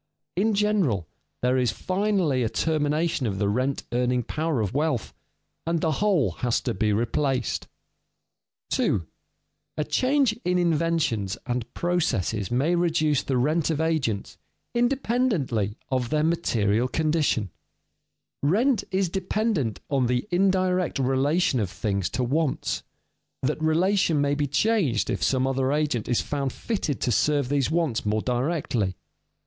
In general, there is finally a termination of the rent earning power of wealth, and the whole has to be replaced. [Sidenote: Technical changes destroy the uses of agents] 2. A change in inventions and processes may reduce the rent of agents, independently of their material condition. Rent is dependent on the indirect relation of things to wants; that relation may be changed if some other agent is found fitted to serve these wants more directly.